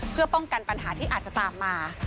เพื่อป้องกันปัญหาที่อาจจะตามมา